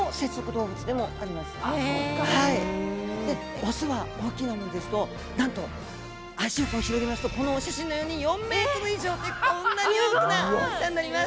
オスは大きなものですとなんと脚を広げますとこのお写真のように４ｍ以上でこんなに大きな大きさになります！